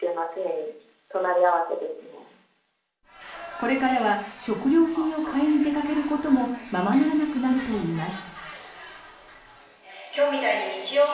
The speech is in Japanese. これからは食料品を買いに出かけることもままならなくなるといいます。